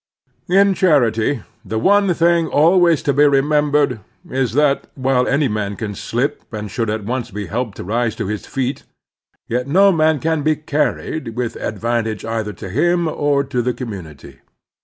In charity the one thing always to be remembered is that, while any man may slip and should at once be helped to rise to his feet, yet no man can be io6 The Strenuous Life carried with advantage eithfer to him or to the commtinity.